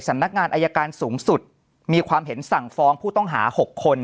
สำนักงานอายการสูงสุดมีความเห็นสั่งฟ้องผู้ต้องหา๖คน